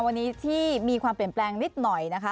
วันนี้ที่มีความเปลี่ยนแปลงนิดหน่อยนะคะ